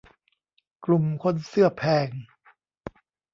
กลุ่มคนเสื้อแพง